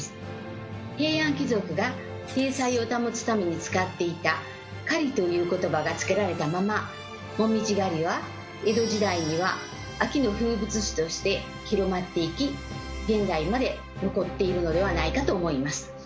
平安貴族が体裁を保つために使っていた「狩り」という言葉がつけられたまま「もみじ狩り」は江戸時代には秋の風物詩として広まっていき現在まで残っているのではないかと思います。